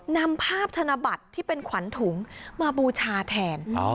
นำภาพธนบัตรที่เป็นขวัญถุงมาบูชาแทน